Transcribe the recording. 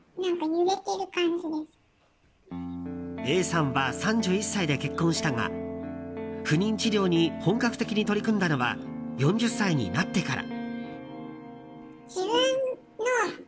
Ａさんは３１歳で結婚したが不妊治療に本格的に取り組んだのは４０歳になってから。